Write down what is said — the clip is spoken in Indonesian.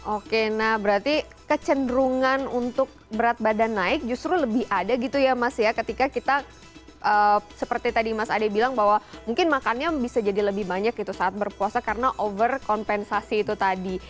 oke nah berarti kecenderungan untuk berat badan naik justru lebih ada gitu ya mas ya ketika kita seperti tadi mas ade bilang bahwa mungkin makannya bisa jadi lebih banyak gitu saat berpuasa karena over kompensasi itu tadi